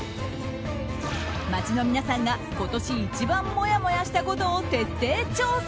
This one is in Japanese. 街の皆さんが今年一番もやもやしたことを徹底調査。